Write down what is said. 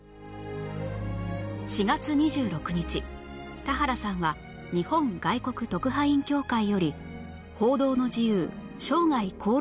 ４月２６日田原さんは日本外国特派員協会より報道の自由・生涯功労賞を受賞